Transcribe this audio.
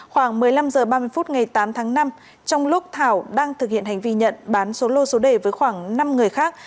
khoảng một mươi năm h ba mươi phút ngày tám tháng năm trong lúc thảo đang thực hiện hành vi nhận bán số lô số đề với khoảng năm người khác